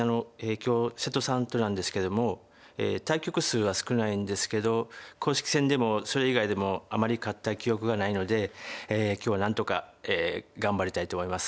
今日瀬戸さんとなんですけども対局数は少ないんですけど公式戦でもそれ以外でもあまり勝った記憶がないので今日は何とか頑張りたいと思います。